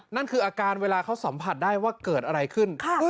นั่นคืออาการเวลาเขาสัมผัสได้ว่าเกิดอะไรขึ้น